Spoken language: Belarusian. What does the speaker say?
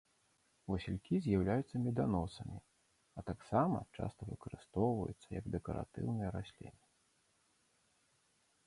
Васількі з'яўляюцца меданосамі, а таксама часта выкарыстоўваюцца як дэкаратыўныя расліны.